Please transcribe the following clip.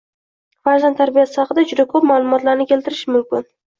Farzand tarbiyasi haqida juda ko‘p ma’lumotlarni keltirish mumkin